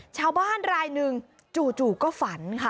ชาวบ้านรายหนึ่งจู่ก็ฝันค่ะ